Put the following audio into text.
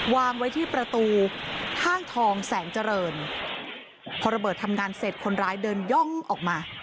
วางไว้ที่ประตูห้างทองแสงเจริญพอระเบิดทำงานเสร็จคนร้ายเดินย่องออกมา